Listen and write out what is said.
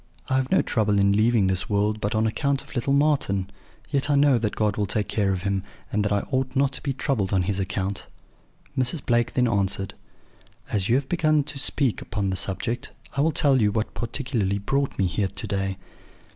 I have no trouble in leaving this world but on account of little Marten; yet I know that God will take care of him, and that I ought not to be troubled on his account.' "Mrs. Blake then answered: "'As you have begun to speak upon the subject, I will tell you what particularly brought me here to day.'